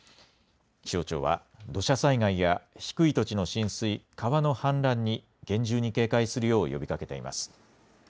気象庁は土砂災害や低い土地の浸水、川の氾濫に厳重に警戒するよう呼びかけています。